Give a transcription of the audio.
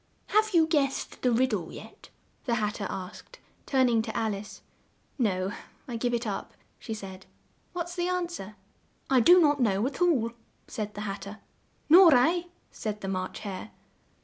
"Have you guessed the rid dle yet?" the Hat ter asked, turn ing to Al ice. "No, I give it up," she said. "What's the an swer?" "I do not know at all," said the Hat ter. "Nor I," said the March Hare.